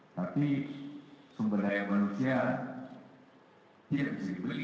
tapi sumber daya manusia tidak bisa dibeli